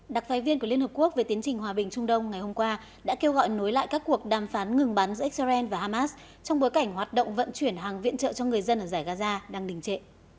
đặc phái viên của liên hợp quốc về tiến trình hòa bình trung đông ngày hôm qua đã kêu gọi nối lại các cuộc đàm phán ngừng bắn giữa israel và hamas trong bối cảnh hoạt động vận chuyển hàng viện trợ cho người dân ở giải gaza đang đình trệ